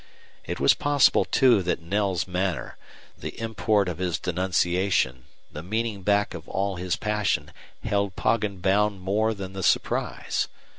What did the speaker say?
It was possible, too, that Knell's manner, the import of his denunciation the meaning back of all his passion held Poggin bound more than the surprise.